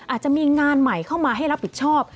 อาจจะมีงานใหม่เข้ามาให้รับผิดชอบ